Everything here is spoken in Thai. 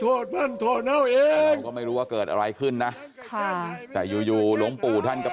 โอ้โฮโอ้โฮโอ้โฮโอ้โฮโอ้โฮโอ้โฮโอ้โฮโอ้โฮ